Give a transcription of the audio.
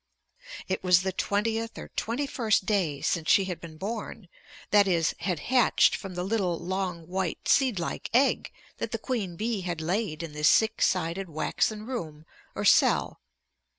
It was the twentieth or twenty first day since she had been born, that is, had hatched from the little, long, white, seed like egg that the queen bee had laid in this six sided waxen room or cell.